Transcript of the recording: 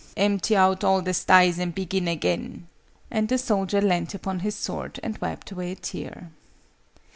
Empty out all the sties, and begin again!" And the soldier leant upon his sword, and wiped away a tear.